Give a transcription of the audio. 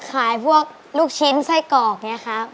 ขายพวกลูกชิ้นไส้กอกเนี่ยครับ